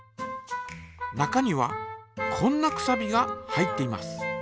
中にはこんなくさびが入っています。